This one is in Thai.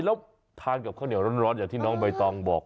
แล้วทานกับข้าวเหนียวร้อนอย่างที่น้องใบตองบอก